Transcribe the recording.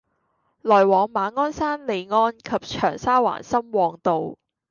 來往馬鞍山（利安）及長沙灣（深旺道），